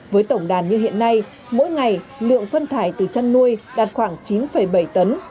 với tổng đàn như hiện nay mỗi ngày lượng phân thải từ chăn nuôi đạt khoảng chín bảy tấn